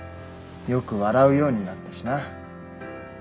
よく笑うようになったしな。